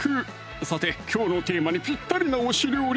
さてきょうのテーマにぴったりな推し料理